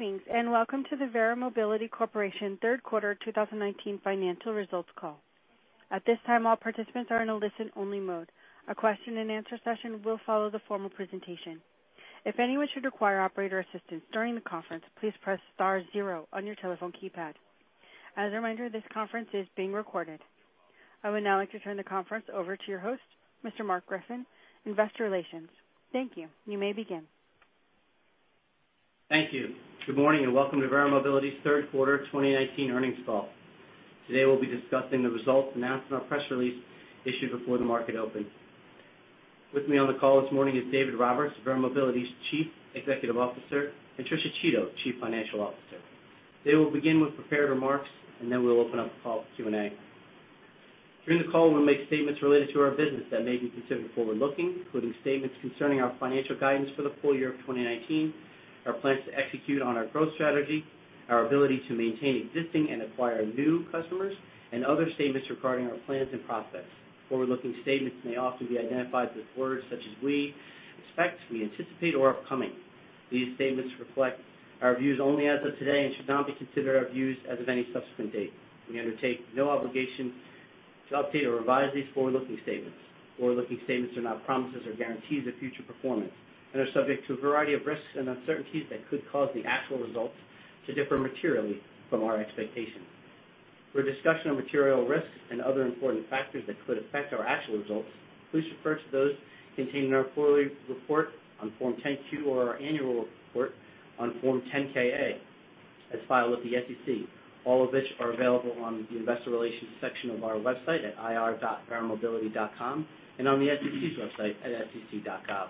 Greetings, and welcome to the Verra Mobility Corporation third quarter 2019 financial results call. At this time, all participants are in a listen-only mode. A question and answer session will follow the formal presentation. If anyone should require operator assistance during the conference, please press star zero on your telephone keypad. As a reminder, this conference is being recorded. I would now like to turn the conference over to your host, Mr. Marc Griffin, investor relations. Thank you. You may begin. Thank you. Good morning, and welcome to Verra Mobility's third quarter 2019 earnings call. Today, we'll be discussing the results announced in our press release issued before the market opened. With me on the call this morning is David Roberts, Verra Mobility's Chief Executive Officer, and Tricia Chiodo, Chief Financial Officer. They will begin with prepared remarks, and then we'll open up the call for Q&A. During the call, we'll make statements related to our business that may be considered forward-looking, including statements concerning our financial guidance for the full year of 2019, our plans to execute on our growth strategy, our ability to maintain existing and acquire new customers, and other statements regarding our plans and process. Forward-looking statements may often be identified with words such as we, expect, we anticipate or upcoming. These statements reflect our views only as of today and should not be considered our views as of any subsequent date. We undertake no obligation to update or revise these forward-looking statements. Forward-looking statements are not promises or guarantees of future performance and are subject to a variety of risks and uncertainties that could cause the actual results to differ materially from our expectations. For a discussion of material risks and other important factors that could affect our actual results, please refer to those contained in our quarterly report on Form 10-Q or our annual report on Form 10-K, as filed with the SEC, all of which are available on the investor relations section of our website at ir.verramobility.com and on the SEC's website at sec.gov.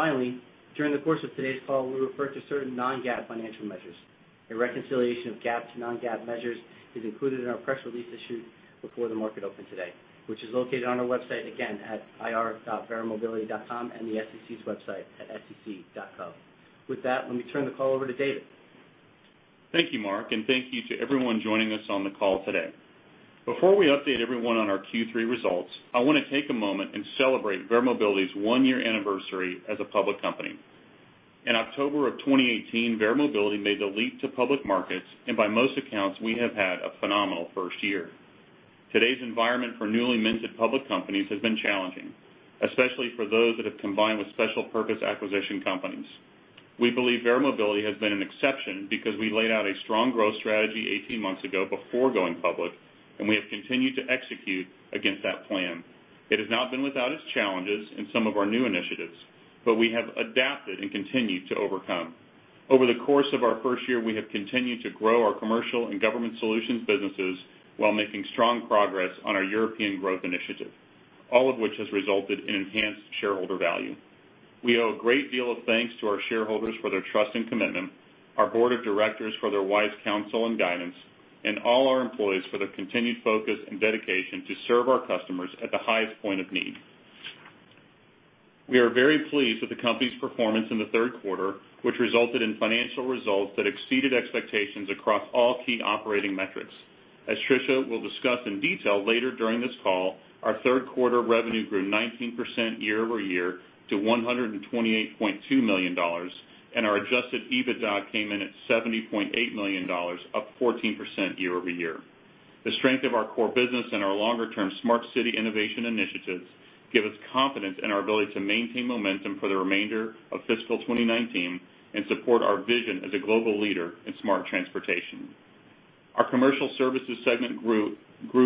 Finally, during the course of today's call, we'll refer to certain non-GAAP financial measures. A reconciliation of GAAP to non-GAAP measures is included in our press release issued before the market opened today, which is located on our website, again, at ir.verramobility.com and the SEC's website at sec.com. With that, let me turn the call over to David. Thank you, Marc, and thank you to everyone joining us on the call today. Before we update everyone on our Q3 results, I want to take a moment and celebrate Verra Mobility's one-year anniversary as a public company. In October of 2018, Verra Mobility made the leap to public markets, and by most accounts, we have had a phenomenal first year. Today's environment for newly minted public companies has been challenging, especially for those that have combined with special purpose acquisition companies. We believe Verra Mobility has been an exception because we laid out a strong growth strategy 18 months ago before going public, and we have continued to execute against that plan. It has not been without its challenges in some of our new initiatives, but we have adapted and continued to overcome. Over the course of our first year, we have continued to grow our commercial and government solutions businesses while making strong progress on our European growth initiative, all of which has resulted in enhanced shareholder value. We owe a great deal of thanks to our shareholders for their trust and commitment, our board of directors for their wise counsel and guidance, and all our employees for their continued focus and dedication to serve our customers at the highest point of need. We are very pleased with the company's performance in the third quarter, which resulted in financial results that exceeded expectations across all key operating metrics. As Tricia will discuss in detail later during this call, our third quarter revenue grew 19% year-over-year to $128.2 million, and our adjusted EBITDA came in at $70.8 million, up 14% year-over-year. The strength of our core business and our longer-term smart city innovation initiatives give us confidence in our ability to maintain momentum for the remainder of fiscal 2019 and support our vision as a global leader in smart transportation. Our commercial services segment grew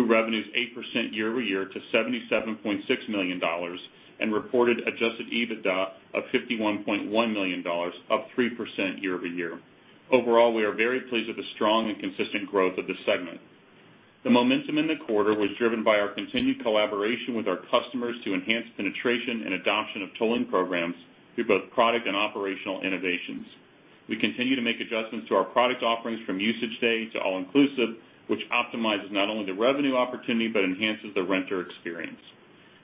revenues 8% year-over-year to $77.6 million and reported adjusted EBITDA of $51.1 million, up 3% year-over-year. Overall, we are very pleased with the strong and consistent growth of this segment. The momentum in the quarter was driven by our continued collaboration with our customers to enhance penetration and adoption of tolling programs through both product and operational innovations. We continue to make adjustments to our product offerings from usage day to all-inclusive, which optimizes not only the revenue opportunity but enhances the renter experience.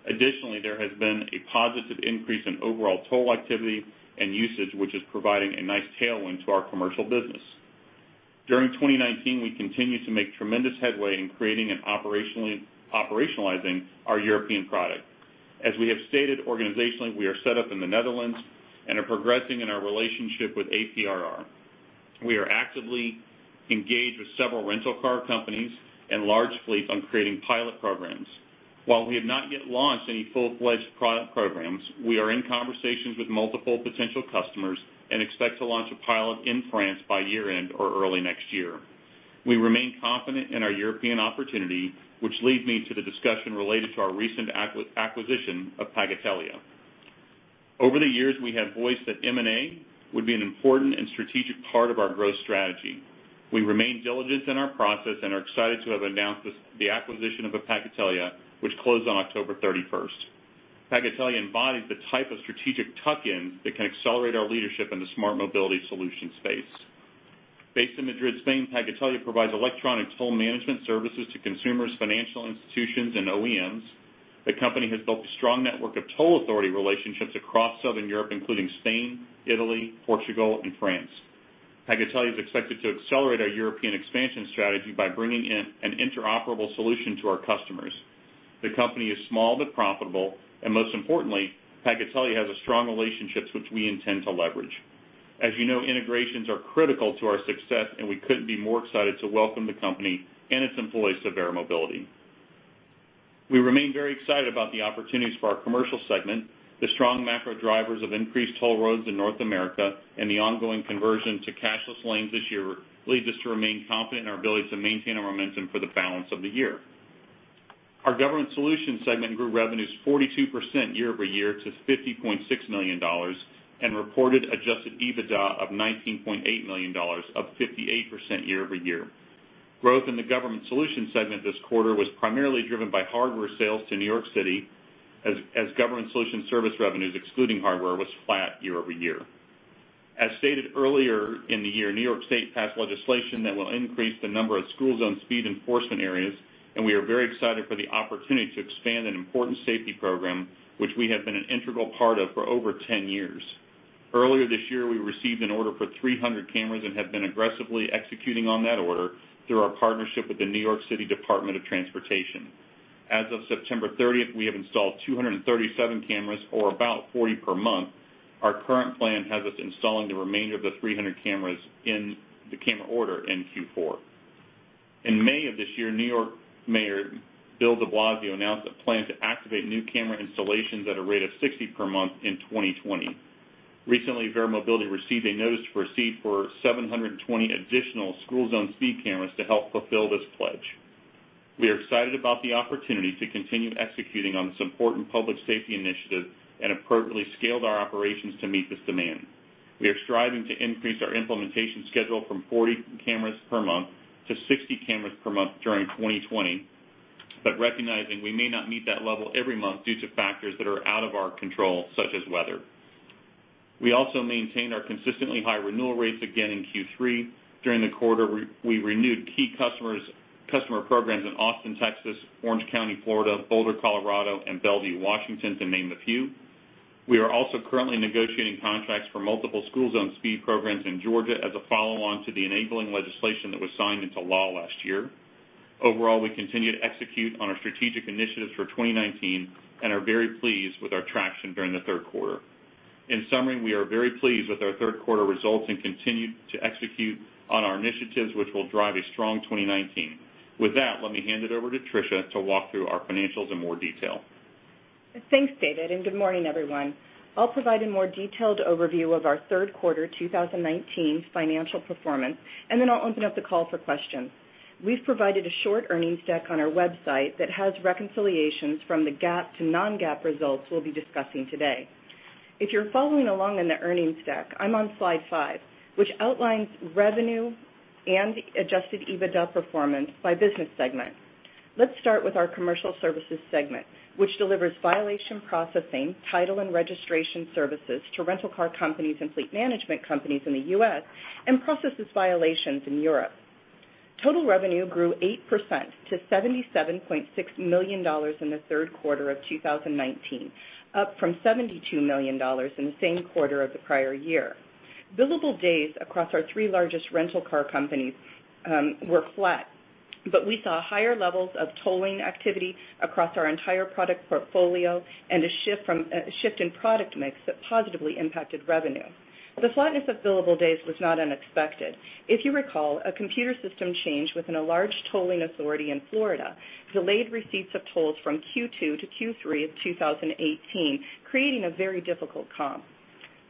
Additionally, there has been a positive increase in overall toll activity and usage, which is providing a nice tailwind to our commercial business. During 2019, we continue to make tremendous headway in creating and operationalizing our European product. As we have stated, organizationally, we are set up in the Netherlands and are progressing in our relationship with APRR. We are actively engaged with several rental car companies and large fleets on creating pilot programs. While we have not yet launched any full-fledged product programs, we are in conversations with multiple potential customers and expect to launch a pilot in France by year-end or early next year. We remain confident in our European opportunity, which leads me to the discussion related to our recent acquisition of Pagatelia. Over the years, we have voiced that M&A would be an important and strategic part of our growth strategy. We remain diligent in our process and are excited to have announced the acquisition of Pagatelia, which closed on October 31st. Pagatelia embodies the type of strategic tuck-in that can accelerate our leadership in the smart mobility solution space. Based in Madrid, Spain, Pagatelia provides electronic toll management services to consumers, financial institutions, and OEMs. The company has built a strong network of toll authority relationships across Southern Europe, including Spain, Italy, Portugal, and France. Pagatelia is expected to accelerate our European expansion strategy by bringing in an interoperable solution to our customers. The company is small but profitable. Most importantly, Pagatelia has strong relationships which we intend to leverage. As you know, integrations are critical to our success. We couldn't be more excited to welcome the company and its employees to Verra Mobility. We remain very excited about the opportunities for our Commercial segment, the strong macro drivers of increased toll roads in North America, and the ongoing conversion to cashless lanes this year leads us to remain confident in our ability to maintain our momentum for the balance of the year. Our Government Solutions segment grew revenues 42% year-over-year to $50.6 million, reported adjusted EBITDA of $19.8 million, up 58% year-over-year. Growth in the Government Solutions segment this quarter was primarily driven by hardware sales to New York City, as Government Solutions service revenues, excluding hardware, was flat year-over-year. As stated earlier in the year, New York State passed legislation that will increase the number of school zone speed enforcement areas. We are very excited for the opportunity to expand an important safety program, which we have been an integral part of for over 10 years. Earlier this year, we received an order for 300 cameras and have been aggressively executing on that order through our partnership with the New York City Department of Transportation. As of September 30th, we have installed 237 cameras, or about 40 per month. Our current plan has us installing the remainder of the 300 cameras in the camera order in Q4. In May of this year, New York Mayor Bill de Blasio announced a plan to activate new camera installations at a rate of 60 per month in 2020. Recently, Verra Mobility received a notice to proceed for 720 additional school zone speed cameras to help fulfill this pledge. We are excited about the opportunity to continue executing on this important public safety initiative and appropriately scaled our operations to meet this demand. We are striving to increase our implementation schedule from 40 cameras per month to 60 cameras per month during 2020, but recognizing we may not meet that level every month due to factors that are out of our control, such as weather. We also maintained our consistently high renewal rates again in Q3. During the quarter, we renewed key customer programs in Austin, Texas, Orange County, Florida, Boulder, Colorado, and Bellevue, Washington, to name a few. We are also currently negotiating contracts for multiple school zone speed programs in Georgia as a follow-on to the enabling legislation that was signed into law last year. Overall, we continue to execute on our strategic initiatives for 2019 and are very pleased with our traction during the third quarter. In summary, we are very pleased with our third quarter results and continue to execute on our initiatives, which will drive a strong 2019. With that, let me hand it over to Tricia to walk through our financials in more detail. Thanks, David. Good morning, everyone. I'll provide a more detailed overview of our third quarter 2019 financial performance, and then I'll open up the call for questions. We've provided a short earnings deck on our website that has reconciliations from the GAAP to non-GAAP results we'll be discussing today. If you're following along in the earnings deck, I'm on slide five, which outlines revenue and adjusted EBITDA performance by business segment. Let's start with our Commercial Services segment, which delivers violation processing, title, and registration services to rental car companies and fleet management companies in the U.S., and processes violations in Europe. Total revenue grew 8% to $77.6 million in the third quarter of 2019, up from $72 million in the same quarter of the prior year. Billable days across our three largest rental car companies were flat, but we saw higher levels of tolling activity across our entire product portfolio and a shift in product mix that positively impacted revenue. The flatness of billable days was not unexpected. If you recall, a computer system change within a large tolling authority in Florida delayed receipts of tolls from Q2 to Q3 of 2018, creating a very difficult comp.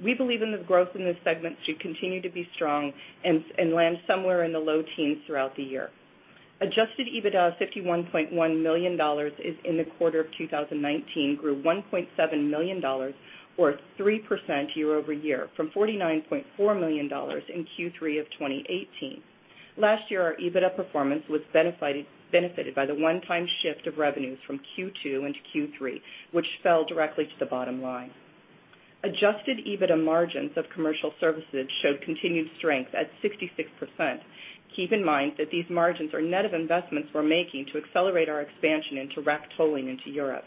We believe in the growth in this segment should continue to be strong and land somewhere in the low teens throughout the year. Adjusted EBITDA of $51.1 million in the quarter of 2019 grew $1.7 million, or 3% year-over-year from $49.4 million in Q3 of 2018. Last year, our EBITDA performance was benefited by the one-time shift of revenues from Q2 into Q3, which fell directly to the bottom line. Adjusted EBITDA margins of commercial services showed continued strength at 66%. Keep in mind that these margins are net of investments we're making to accelerate our expansion into rack tolling into Europe.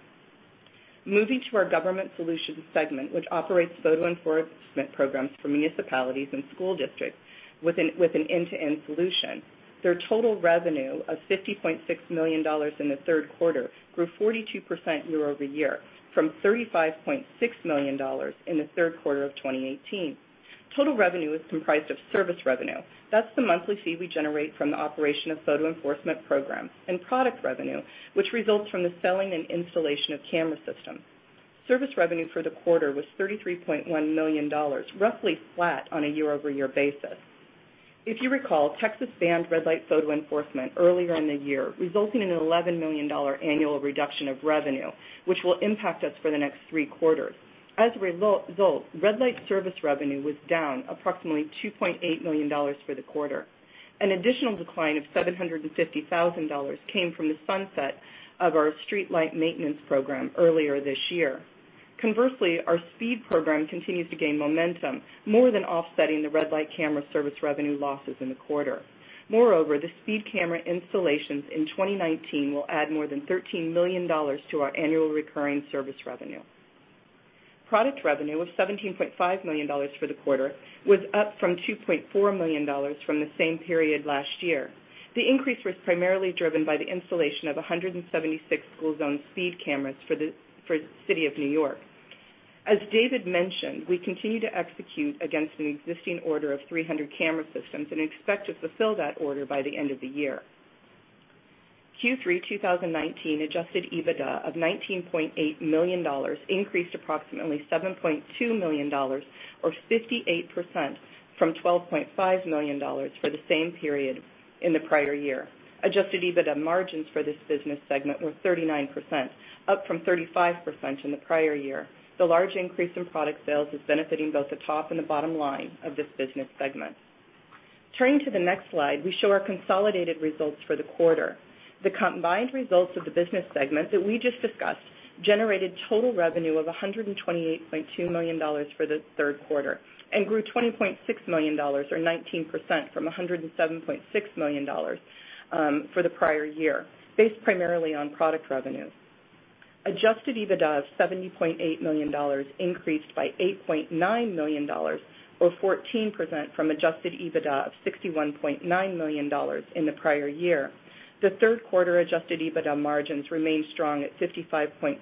Moving to our Government Solutions segment, which operates photo enforcement programs for municipalities and school districts with an end-to-end solution. Their total revenue of $50.6 million in the third quarter grew 42% year-over-year from $35.6 million in the third quarter of 2018. Total revenue is comprised of service revenue. That's the monthly fee we generate from the operation of photo enforcement programs, and product revenue, which results from the selling and installation of camera systems. Service revenue for the quarter was $33.1 million, roughly flat on a year-over-year basis. If you recall, Texas banned red light photo enforcement earlier in the year, resulting in an $11 million annual reduction of revenue, which will impact us for the next three quarters. As a result, red light service revenue was down approximately $2.8 million for the quarter. An additional decline of $750,000 came from the sunset of our streetlight maintenance program earlier this year. Conversely, our speed program continues to gain momentum, more than offsetting the red light camera service revenue losses in the quarter. Moreover, the speed camera installations in 2019 will add more than $13 million to our annual recurring service revenue. Product revenue of $17.5 million for the quarter was up from $2.4 million from the same period last year. The increase was primarily driven by the installation of 176 school zone speed cameras for the City of New York. As David mentioned, we continue to execute against an existing order of 300 camera systems and expect to fulfill that order by the end of the year. Q3 2019 adjusted EBITDA of $19.8 million increased approximately $7.2 million, or 58%, from $12.5 million for the same period in the prior year. Adjusted EBITDA margins for this business segment were 39%, up from 35% in the prior year. The large increase in product sales is benefiting both the top and the bottom line of this business segment. Turning to the next slide, we show our consolidated results for the quarter. The combined results of the business segments that we just discussed generated total revenue of $128.2 million for the third quarter and grew $20.6 million, or 19%, from $107.6 million for the prior year, based primarily on product revenue. Adjusted EBITDA of $70.8 million increased by $8.9 million, or 14%, from adjusted EBITDA of $61.9 million in the prior year. The third quarter adjusted EBITDA margins remained strong at 55.2%,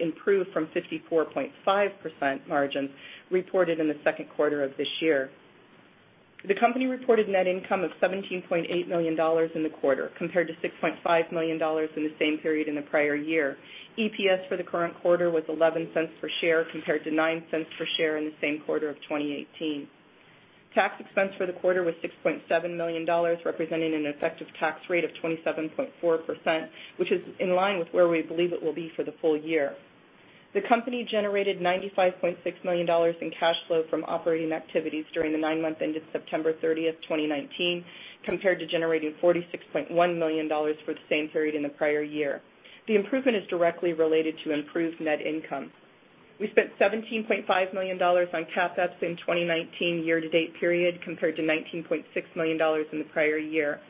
improved from 54.5% margins reported in the second quarter of this year. The company reported net income of $17.8 million in the quarter, compared to $6.5 million in the same period in the prior year. EPS for the current quarter was $0.11 per share, compared to $0.09 per share in the same quarter of 2018. Tax expense for the quarter was $6.7 million, representing an effective tax rate of 27.4%, which is in line with where we believe it will be for the full year. The company generated $95.6 million in cash flow from operating activities during the nine months ended September 30th, 2019, compared to generating $46.1 million for the same period in the prior year. The improvement is directly related to improved net income. We spent $17.5 million on CapEx in 2019 year to date period, compared to $19.6 million in the prior year.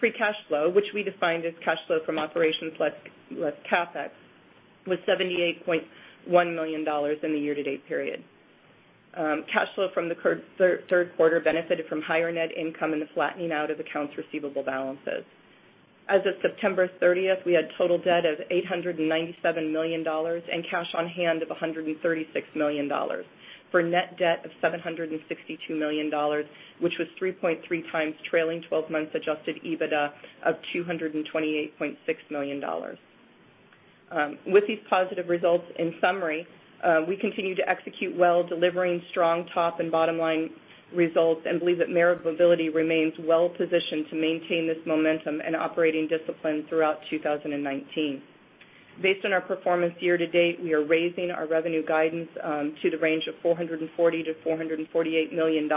Free cash flow, which we define as cash flow from operations less CapEx, was $78.1 million in the year to date period. Cash flow from the third quarter benefited from higher net income and the flattening out of accounts receivable balances. As of September 30th, we had total debt of $897 million and cash on hand of $136 million for net debt of $762 million, which was 3.3 times trailing 12 months adjusted EBITDA of $228.6 million. With these positive results, in summary, we continue to execute well, delivering strong top and bottom line results, and believe that Verra Mobility remains well positioned to maintain this momentum and operating discipline throughout 2019. Based on our performance year to date, we are raising our revenue guidance to the range of $440 million-$448 million.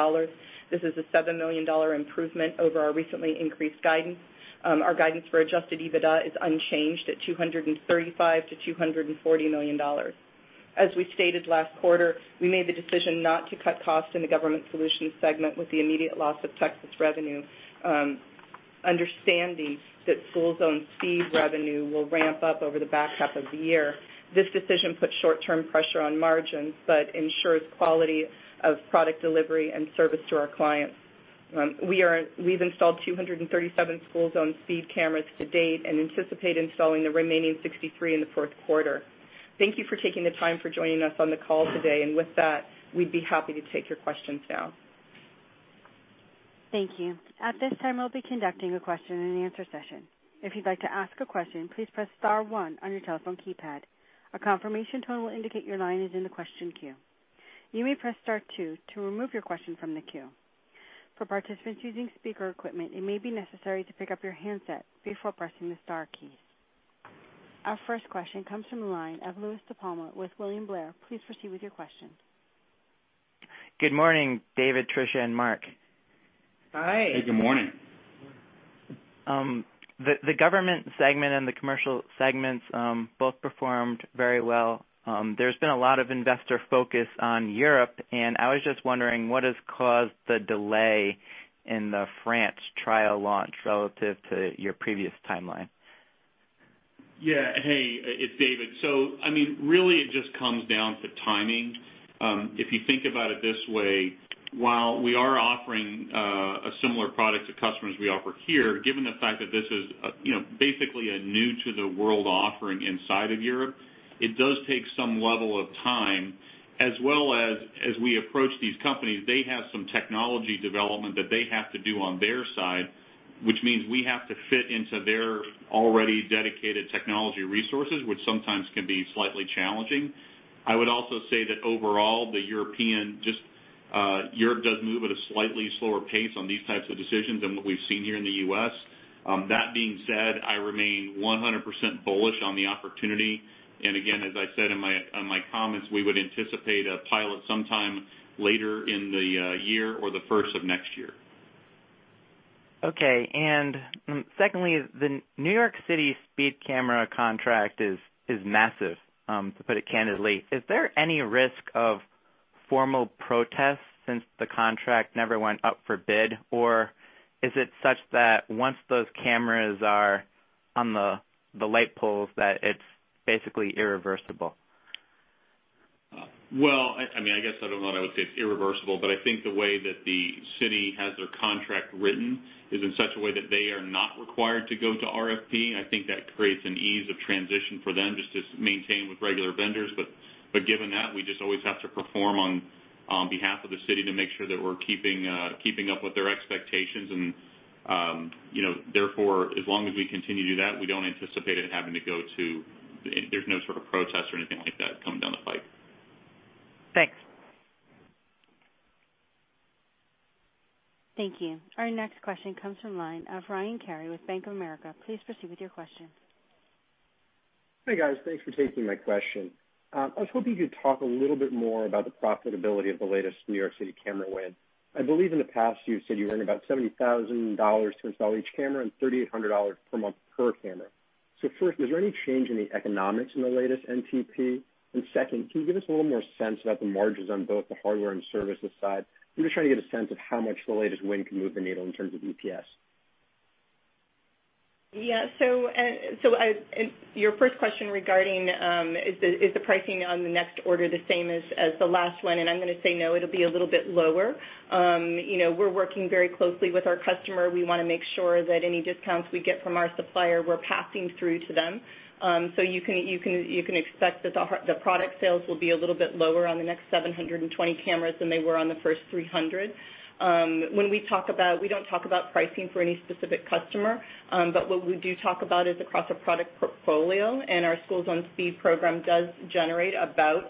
This is a $7 million improvement over our recently increased guidance. Our guidance for adjusted EBITDA is unchanged at $235 million-$240 million. As we stated last quarter, we made the decision not to cut costs in the Government Solutions segment with the immediate loss of Texas revenue, understanding that school zone speed revenue will ramp up over the back half of the year. This decision puts short-term pressure on margins but ensures quality of product delivery and service to our clients. We've installed 237 school zone speed cameras to date and anticipate installing the remaining 63 in the fourth quarter. Thank you for taking the time for joining us on the call today. With that, we'd be happy to take your questions now. Thank you. At this time, we'll be conducting a question and answer session. If you'd like to ask a question, please press star 1 on your telephone keypad. A confirmation tone will indicate your line is in the question queue. You may press star 2 to remove your question from the queue. For participants using speaker equipment, it may be necessary to pick up your handset before pressing the star keys. Our first question comes from the line of Louie DiPalma with William Blair. Please proceed with your question. Good morning, David, Tricia, and Marc. Hi. Hey, good morning. The government segment and the commercial segments both performed very well. There's been a lot of investor focus on Europe, and I was just wondering what has caused the delay in the France trial launch relative to your previous timeline. Yeah. Hey, it's David. Really, it just comes down to timing. If you think about it this way, while we are offering a similar product to customers we offer here, given the fact that this is basically a new to the world offering inside of Europe, it does take some level of time, as well as we approach these companies, they have some technology development that they have to do on their side, which means we have to fit into their already dedicated technology resources, which sometimes can be slightly challenging. I would also say that overall, Europe does move at a slightly slower pace on these types of decisions than what we've seen here in the U.S. That being said, I remain 100% bullish on the opportunity. Again, as I said on my comments, we would anticipate a pilot sometime later in the year or the first of next year. Okay. Secondly, the New York City speed camera contract is massive, to put it candidly. Is there any risk of formal protest since the contract never went up for bid, or is it such that once those cameras are on the light poles that it's basically irreversible? Well, I guess I don't know that I would say it's irreversible, but I think the way that the City has their contract written is in such a way that they are not required to go to RFP, and I think that creates an ease of transition for them just to maintain with regular vendors. Given that, we just always have to perform on behalf of the City to make sure that we're keeping up with their expectations and therefore, as long as we continue to do that, we don't anticipate it having to go to, there's no sort of protest or anything like that coming down the pipe. Thanks. Thank you. Our next question comes from the line of Ryan Cary with Bank of America. Please proceed with your question. Hey, guys. Thanks for taking my question. I was hoping you could talk a little bit more about the profitability of the latest New York City camera win. I believe in the past you've said you earn about $70,000 to install each camera and $3,800 per month per camera. First, was there any change in the economics in the latest NTP? Second, can you give us a little more sense about the margins on both the hardware and services side? I'm just trying to get a sense of how much the latest win can move the needle in terms of EPS. Your first question regarding is the pricing on the next order the same as the last one, I'm going to say no, it'll be a little bit lower. We're working very closely with our customer. We want to make sure that any discounts we get from our supplier, we're passing through to them. You can expect that the product sales will be a little bit lower on the next 720 cameras than they were on the first 300. We don't talk about pricing for any specific customer, what we do talk about is across a product portfolio, our Schools on Speed program does generate about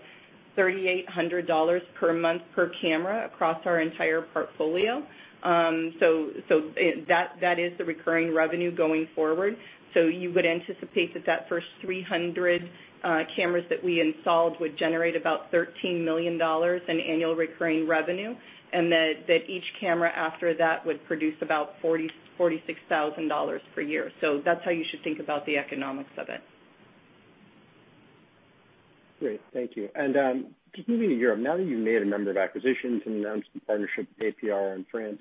$3,800 per month per camera across our entire portfolio. That is the recurring revenue going forward. You would anticipate that first 300 cameras that we installed would generate about $13 million in annual recurring revenue, and that each camera after that would produce about $46,000 per year. That's how you should think about the economics of it. Great. Thank you. Just moving to Europe, now that you've made a number of acquisitions and announced a partnership with APRR in France,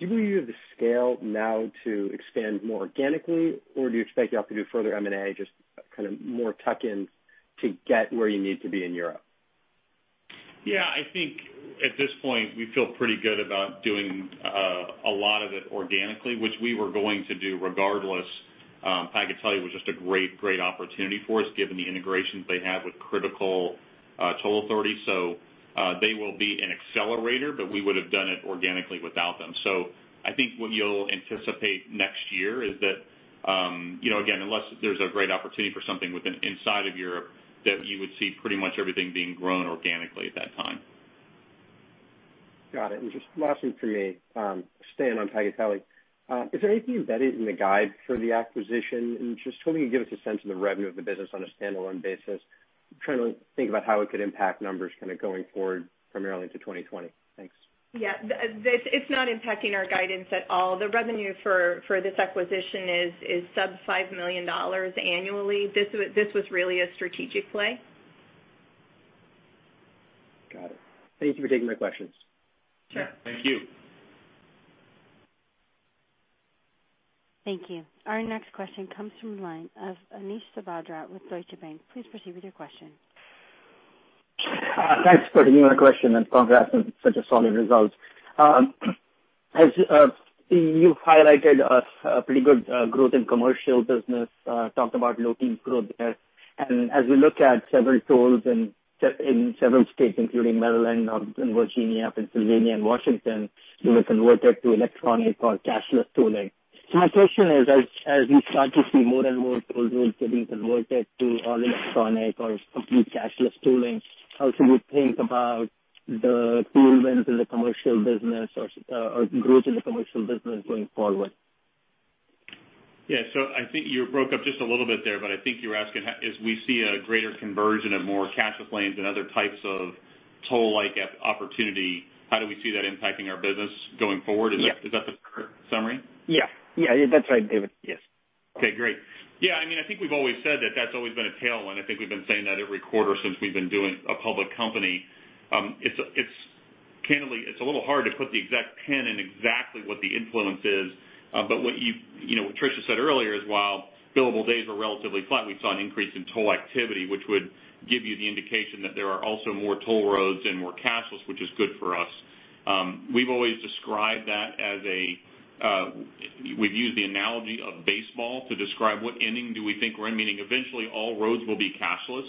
do you believe you have the scale now to expand more organically, or do you expect you'll have to do further M&A, just kind of more tuck-ins to get where you need to be in Europe? Yeah, I think at this point, we feel pretty good about doing a lot of it organically, which we were going to do regardless. Pagatelia was just a great opportunity for us, given the integrations they have with critical toll authorities. They will be an accelerator, but we would've done it organically without them. I think what you'll anticipate next year is that, again, unless there's a great opportunity for something inside of Europe, that you would see pretty much everything being grown organically at that time. Got it. Just lastly from me, staying on Pagatelia, is there anything embedded in the guide for the acquisition? Just hoping you could give us a sense of the revenue of the business on a standalone basis. I am trying to think about how it could impact numbers going forward, primarily into 2020. Thanks. Yeah. It's not impacting our guidance at all. The revenue for this acquisition is sub $5 million annually. This was really a strategic play. Got it. Thank you for taking my questions. Sure. Thank you. Thank you. Our next question comes from the line of Ashish Sabadra with Deutsche Bank. Please proceed with your question. Thanks for the new question, and congrats on such a solid result. You highlighted a pretty good growth in commercial business, talked about looking to grow there. As we look at several tolls in several states, including Maryland, Virginia, Pennsylvania, and Washington, they were converted to electronic or cashless tolling. My question is, as we start to see more and more toll roads getting converted to all electronic or complete cashless tolling, how should we think about the tailwind in the commercial business or growth in the commercial business going forward? Yeah. I think you broke up just a little bit there, but I think you're asking, as we see a greater conversion of more cashless lanes and other types of toll-like opportunity, how do we see that impacting our business going forward? Yeah. Is that the correct summary? Yeah. That's right, David. Yes. Okay, great. Yeah, I think we've always said that that's always been a tailwind. I think we've been saying that every quarter since we've been doing a public company. Candidly, it's a little hard to put the exact pin in exactly what the influence is. What Tricia Chiodo said earlier is while billable days were relatively flat, we saw an increase in toll activity, which would give you the indication that there are also more toll roads and more cashless, which is good for us. We've always described that as We've used the analogy of baseball to describe what inning do we think we're in, meaning eventually all roads will be cashless.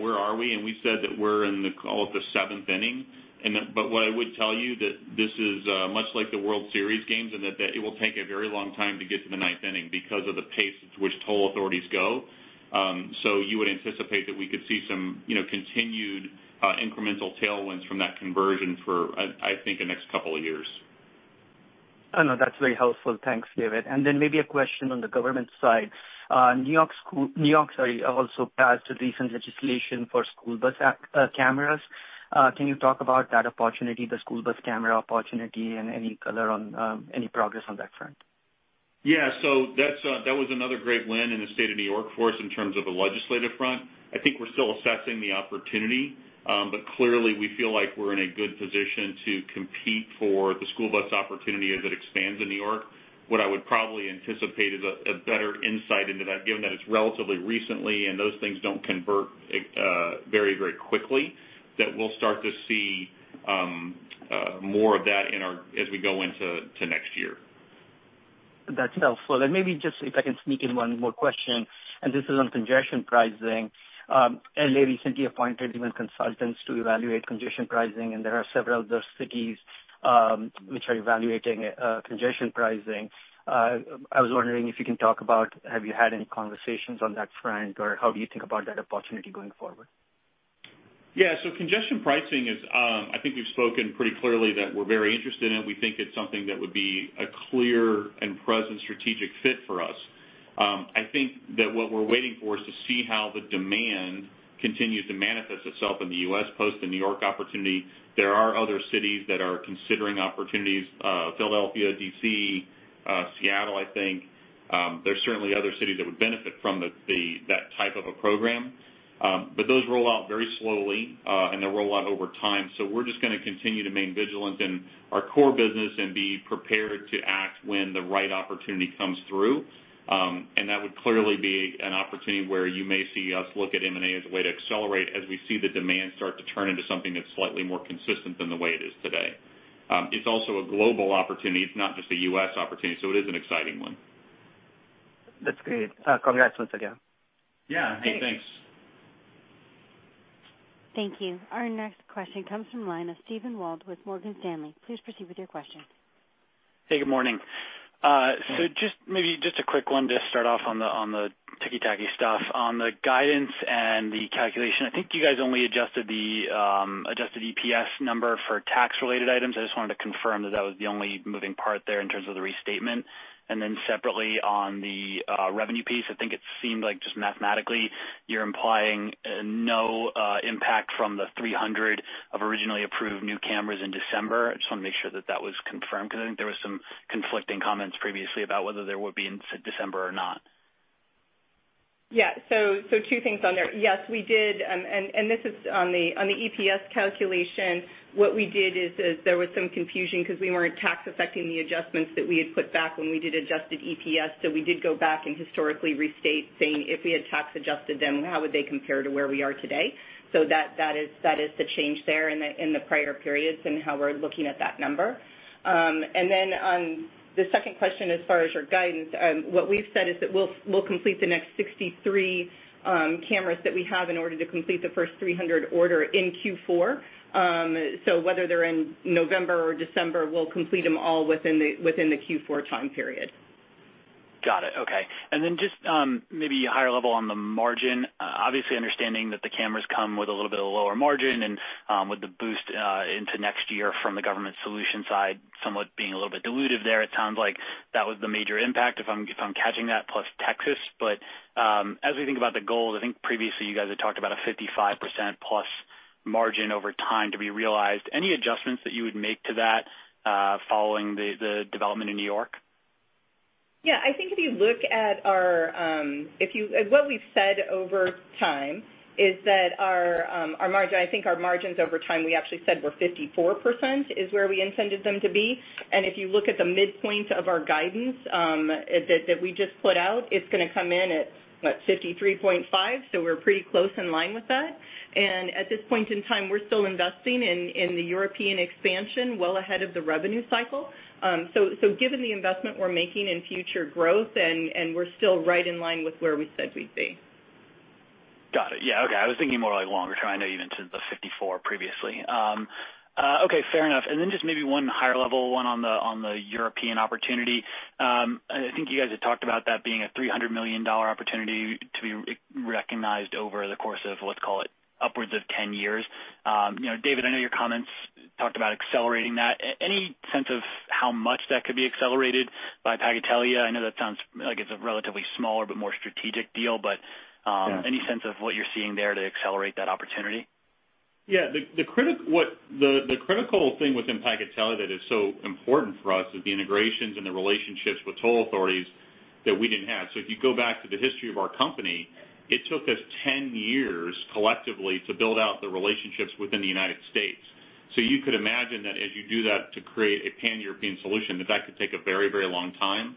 Where are we? We said that we're in call it the seventh inning. What I would tell you that this is, much like the World Series games, in that it will take a very long time to get to the ninth inning because of the pace at which toll authorities go. You would anticipate that we could see some continued incremental tailwinds from that conversion for, I think, the next couple of years. Oh, no, that's very helpful. Thanks, David. Then maybe a question on the government side. New York also passed recent legislation for school bus cameras. Can you talk about that opportunity, the school bus camera opportunity, and any color on any progress on that front? Yeah. That was another great win in the state of New York for us in terms of the legislative front. I think we're still assessing the opportunity, but clearly we feel like we're in a good position to compete for the school bus opportunity as it expands in New York. What I would probably anticipate is a better insight into that, given that it's relatively recently, and those things don't convert very quickly, that we'll start to see more of that as we go into next year. That's helpful. Maybe just if I can sneak in one more question, and this is on congestion pricing. L.A. recently appointed human consultants to evaluate congestion pricing, and there are several other cities which are evaluating congestion pricing. I was wondering if you can talk about, have you had any conversations on that front, or how do you think about that opportunity going forward? Yeah. Congestion pricing is, I think we've spoken pretty clearly that we're very interested in it. We think it's something that would be a clear and present strategic fit for us. I think that what we're waiting for is to see how the demand continues to manifest itself in the U.S. post the New York opportunity. There are other cities that are considering opportunities, Philadelphia, D.C., Seattle, I think. There's certainly other cities that would benefit from that type of a program. Those roll out very slowly, and they roll out over time. We're just going to continue to remain vigilant in our core business and be prepared to act when the right opportunity comes through. That would clearly be an opportunity where you may see us look at M&A as a way to accelerate as we see the demand start to turn into something that's slightly more consistent than the way it is today. It's also a global opportunity. It's not just a U.S. opportunity. It is an exciting one. That's great. Congrats once again. Yeah. Hey, thanks. Thank you. Our next question comes from the line of Steven Ward with Morgan Stanley. Please proceed with your question. Hey, good morning. Hey. Just maybe just a quick one to start off on the ticky-tacky stuff. On the guidance and the calculation, I think you guys only adjusted the adjusted EPS number for tax-related items. I just wanted to confirm that was the only moving part there in terms of the restatement. Separately on the revenue piece, I think it seemed like just mathematically, you're implying no impact from the 300 of originally approved new cameras in December. I just want to make sure that that was confirmed because I think there was some conflicting comments previously about whether there would be in December or not. Yeah. Two things on there. Yes, we did, and this is on the EPS calculation. What we did is, there was some confusion because we weren't tax affecting the adjustments that we had put back when we did adjusted EPS. We did go back and historically restate saying if we had tax adjusted them, how would they compare to where we are today? That is the change there in the prior periods and how we're looking at that number. On the second question, as far as your guidance, what we've said is that we'll complete the next 63 cameras that we have in order to complete the first 300 order in Q4. Whether they're in November or December, we'll complete them all within the Q4 time period. Got it. Okay. Just maybe higher level on the margin, obviously understanding that the cameras come with a little bit of a lower margin and with the boost into next year from the government solution side somewhat being a little bit dilutive there. It sounds like that was the major impact if I'm catching that, plus Texas. As we think about the goals, I think previously you guys had talked about a 55%-plus margin over time to be realized. Any adjustments that you would make to that following the development in New York? Yeah, I think if you look at what we've said over time is that our margins over time, we actually said were 54%, is where we intended them to be. If you look at the midpoint of our guidance that we just put out, it's going to come in at, what, 53.5%. We're pretty close in line with that. At this point in time, we're still investing in the European expansion well ahead of the revenue cycle. Given the investment we're making in future growth and we're still right in line with where we said we'd be. Got it. Yeah. Okay. I was thinking more like longer term, I know you mentioned the 54 previously. Okay, fair enough. Just maybe one higher level one on the European opportunity. I think you guys had talked about that being a $300 million opportunity to be recognized over the course of, let's call it upwards of 10 years. David, I know your comments talked about accelerating that. Any sense of how much that could be accelerated by Pagatelia? I know that sounds like it's a relatively smaller but more strategic deal. Yeah any sense of what you're seeing there to accelerate that opportunity? The critical thing within Pagatelia that is so important for us is the integrations and the relationships with toll authorities that we didn't have. If you go back to the history of our company, it took us 10 years collectively to build out the relationships within the United States. You could imagine that as you do that to create a Pan-European solution, that that could take a very long time.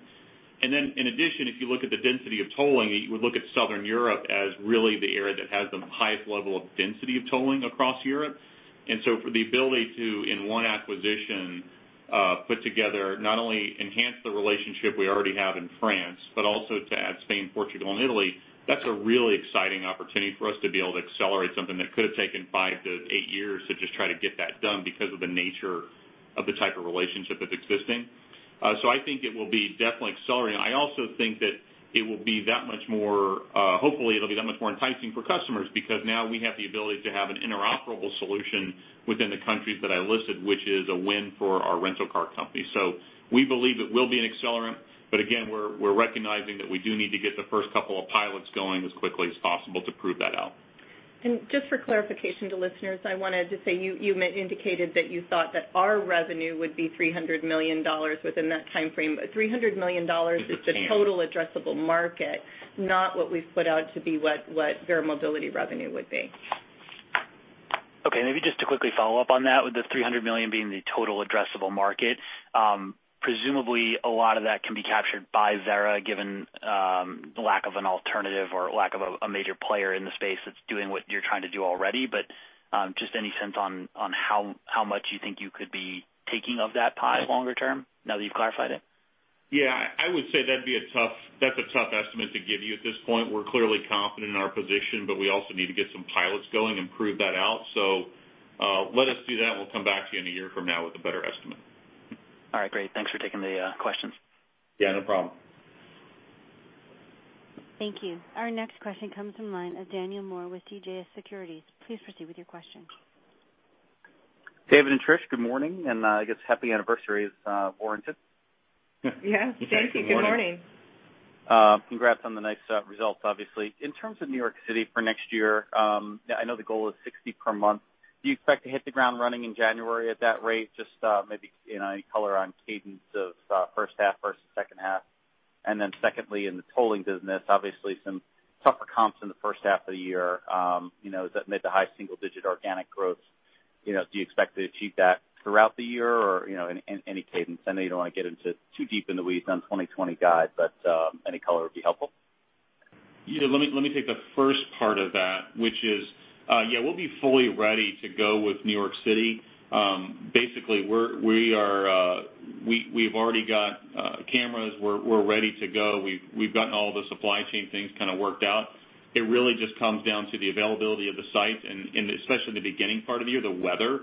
In addition, if you look at the density of tolling, you would look at Southern Europe as really the area that has the highest level of density of tolling across Europe. For the ability to, in one acquisition, put together not only enhance the relationship we already have in France, but also to add Spain, Portugal, and Italy, that's a really exciting opportunity for us to be able to accelerate something that could have taken five to eight years to just try to get that done because of the nature of the type of relationship that's existing. I think it will be definitely accelerating. I also think that it will be that much more, hopefully it'll be that much more enticing for customers because now we have the ability to have an interoperable solution within the countries that I listed, which is a win for our rental car company. We believe it will be an accelerant. Again, we're recognizing that we do need to get the first couple of pilots going as quickly as possible to prove that out. Just for clarification to listeners, I wanted to say you indicated that you thought that our revenue would be $300 million within that timeframe. $300 million is the total addressable market, not what we've put out to be what Verra Mobility revenue would be. Okay. Maybe just to quickly follow up on that, with the $300 million being the total addressable market. Presumably, a lot of that can be captured by Verra, given the lack of an alternative or lack of a major player in the space that's doing what you're trying to do already. Just any sense on how much you think you could be taking of that pie longer term now that you've clarified it? I would say that's a tough estimate to give you at this point. We're clearly confident in our position, but we also need to get some pilots going and prove that out. Let us do that. We'll come back to you in a year from now with a better estimate. All right, great. Thanks for taking the questions. Yeah, no problem. Thank you. Our next question comes from the line of Daniel Moore with CJS Securities. Please proceed with your question. David and Trish, good morning, and I guess happy anniversary is warranted. Yes. Thank you. Good morning. Good morning. Congrats on the nice results, obviously. In terms of New York City for next year, I know the goal is 60 per month. Do you expect to hit the ground running in January at that rate? Just maybe any color on cadence of first half versus second half. Secondly, in the tolling business, obviously some tougher comps in the first half of the year. You know, mid to high single-digit organic growth. Do you expect to achieve that throughout the year or any cadence? I know you don't want to get too deep in the weeds on 2020 guide, but any color would be helpful. Let me take the first part of that, which is, we'll be fully ready to go with New York City. Basically, we've already got cameras. We're ready to go. We've gotten all the supply chain things kind of worked out. It really just comes down to the availability of the site and especially in the beginning part of the year, the weather.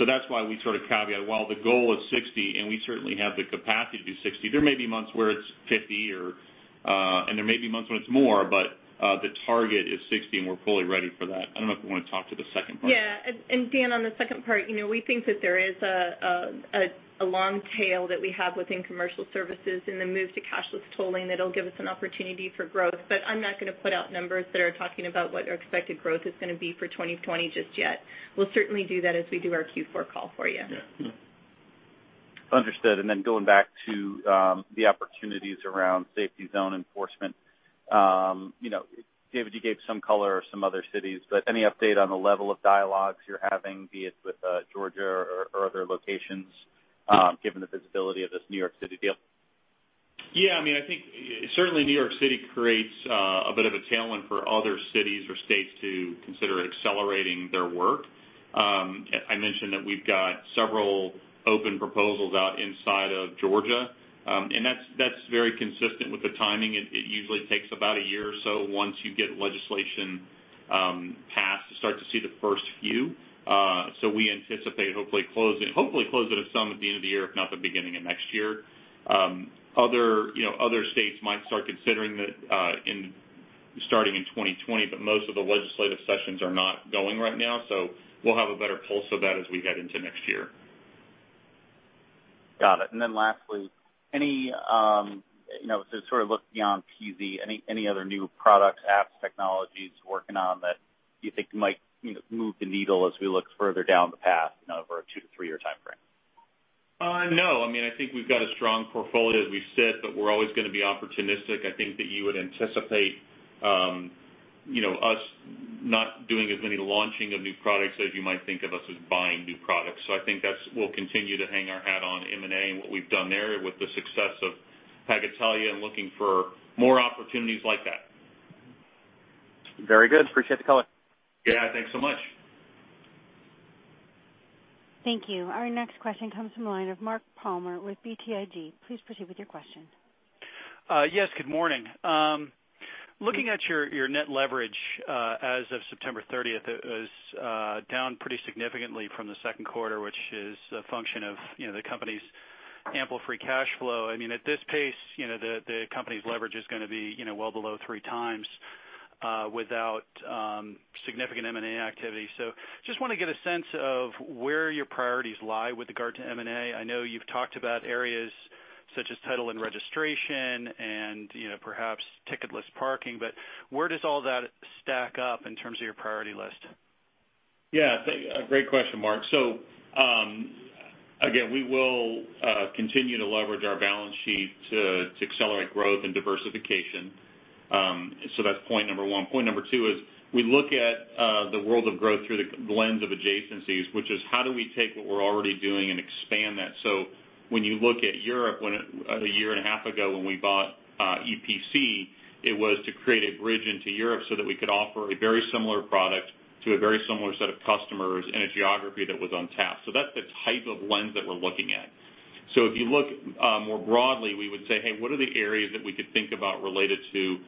That's why we sort of caveat, while the goal is 60, and we certainly have the capacity to do 60, there may be months where it's 50, and there may be months when it's more, but the target is 60, and we're fully ready for that. I don't know if you want to talk to the second part. Yeah. Dan, on the second part, we think that there is a long tail that we have within commercial services in the move to cashless tolling that'll give us an opportunity for growth. I'm not going to put out numbers that are talking about what our expected growth is going to be for 2020 just yet. We'll certainly do that as we do our Q4 call for you. Yeah. Understood. Going back to the opportunities around safety zone enforcement. David, you gave some color on some other cities, any update on the level of dialogues you're having, be it with Georgia or other locations, given the visibility of this New York City deal? Yeah, I think certainly New York City creates a bit of a tailwind for other cities or states to consider accelerating their work. I mentioned that we've got several open proposals out inside of Georgia. That's very consistent with the timing. It usually takes about a year or so once you get legislation passed to start to see the first few. We anticipate hopefully closing some at the end of the year, if not the beginning of next year. Other states might start considering that starting in 2020, but most of the legislative sessions are not going right now. We'll have a better pulse of that as we head into next year. Got it. Then lastly, to sort of look beyond [TZ, any other new products, apps, technologies working on that you think might move the needle as we look further down the path over a two to three-year timeframe? No. I think we've got a strong portfolio as we sit, but we're always going to be opportunistic. I think that you would anticipate us not doing as many launching of new products as you might think of us as buying new products. I think that we'll continue to hang our hat on M&A and what we've done there with the success of Pagatelia and looking for more opportunities like that. Very good. Appreciate the color. Yeah. Thanks so much. Thank you. Our next question comes from the line of Mark Palmer with BTIG. Please proceed with your question. Yes, good morning. Looking at your net leverage as of September 30th, it was down pretty significantly from the second quarter, which is a function of the company's ample free cash flow. At this pace, the company's leverage is going to be well below three times without significant M&A activity. Just want to get a sense of where your priorities lie with regard to M&A. I know you've talked about areas such as title and registration and perhaps ticketless parking, but where does all that stack up in terms of your priority list? Yeah. Great question, Mark. Again, we will continue to leverage our balance sheet to accelerate growth and diversification. That's point number one. Point number two is we look at the world of growth through the lens of adjacencies, which is how do we take what we're already doing and expand that? When you look at Europe, a year and a half ago, when we bought EPC, it was to create a bridge into Europe so that we could offer a very similar product to a very similar set of customers in a geography that was untapped. That's the type of lens that we're looking at. If you look more broadly, we would say, "Hey, what are the areas that we could think about related to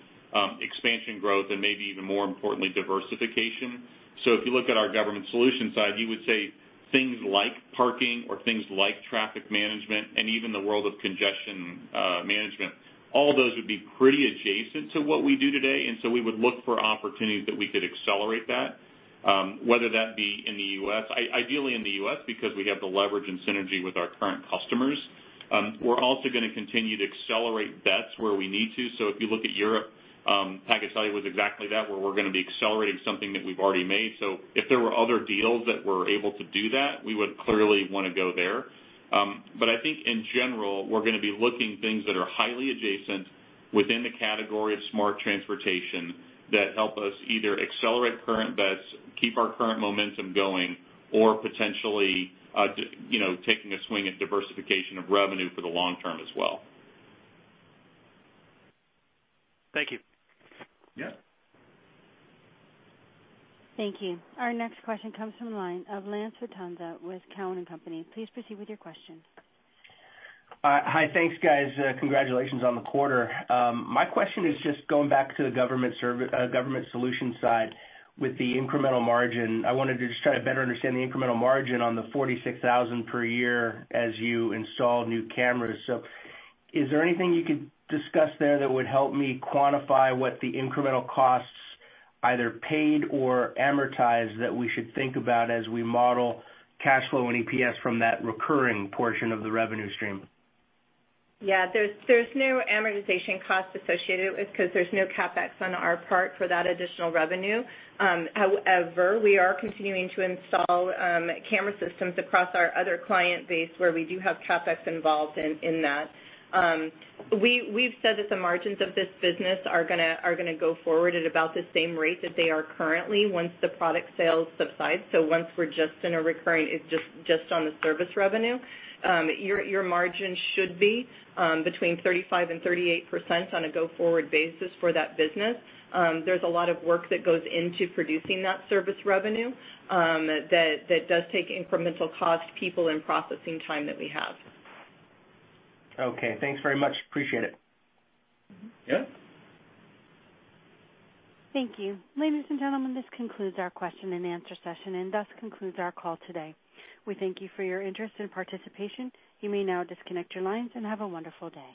expansion growth and maybe even more importantly, diversification?" If you look at our government solution side, you would say things like parking or things like traffic management and even the world of congestion management. All those would be pretty adjacent to what we do today, and so we would look for opportunities that we could accelerate that. Whether that be in the U.S. Ideally in the U.S., because we have the leverage and synergy with our current customers. We're also going to continue to accelerate bets where we need to. If you look at Europe, Pagatelia was exactly that, where we're going to be accelerating something that we've already made. If there were other deals that were able to do that, we would clearly want to go there. I think in general, we're going to be looking things that are highly adjacent within the category of smart transportation that help us either accelerate current bets, keep our current momentum going, or potentially, taking a swing at diversification of revenue for the long term as well. Thank you. Yeah. Thank you. Our next question comes from the line of Lance Vitanza with Cowen and Company. Please proceed with your question. Hi. Thanks, guys. Congratulations on the quarter. My question is just going back to the government solution side with the incremental margin. I wanted to just try to better understand the incremental margin on the 46,000 per year as you install new cameras. Is there anything you could discuss there that would help me quantify what the incremental costs either paid or amortized that we should think about as we model cash flow and EPS from that recurring portion of the revenue stream? Yeah. There's no amortization cost associated with it because there's no CapEx on our part for that additional revenue. We are continuing to install camera systems across our other client base where we do have CapEx involved in that. We've said that the margins of this business are going to go forward at about the same rate that they are currently once the product sales subside. Once we're just in a recurring, it's just on the service revenue. Your margin should be between 35% and 38% on a go-forward basis for that business. There's a lot of work that goes into producing that service revenue that does take incremental cost, people, and processing time that we have. Okay. Thanks very much. Appreciate it. Yeah. Thank you. Ladies and gentlemen, this concludes our question and answer session and thus concludes our call today. We thank you for your interest and participation. You may now disconnect your lines and have a wonderful day.